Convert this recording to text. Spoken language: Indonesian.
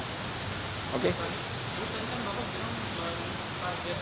saya mau tanya pak bapak kenapa mencari target sama dengan bapak